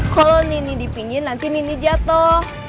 kalau nenek di pinggir nanti nenek jatuh